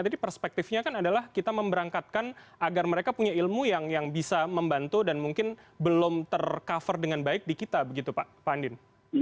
jadi perspektifnya kan adalah kita memberangkatkan agar mereka punya ilmu yang bisa membantu dan mungkin belum tercover dengan baik di kita begitu pak andin